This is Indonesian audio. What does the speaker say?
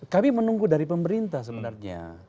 kami menunggu dari pemerintah sebenarnya